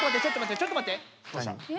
ちょっとまって。